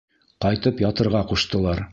Ҡайтып ятырға ҡуштылар.